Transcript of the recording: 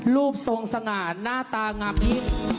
รูปทรงสงสงานหน้าตาง่าพิมพ์